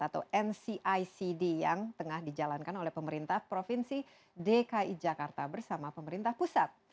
atau ncicd yang tengah dijalankan oleh pemerintah provinsi dki jakarta bersama pemerintah pusat